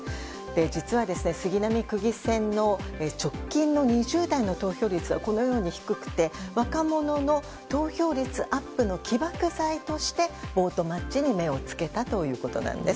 実は、杉並区議選の直近の２０代の投票率は低くて若者の投票率アップの起爆剤としてボートマッチに目を付けたということなんです。